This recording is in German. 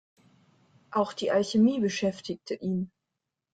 Auch die Alchemie beschäftigte ihn.